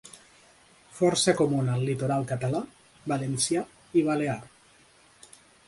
Força comuna al litoral Català, Valencià i Balear.